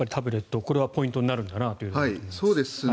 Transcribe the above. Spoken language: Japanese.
これはポイントになるんだなというところですね。